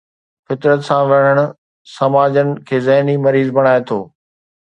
فطرت سان وڙهڻ سماجن کي ذهني مريض بڻائي ٿو.